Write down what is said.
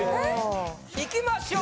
いきましょう。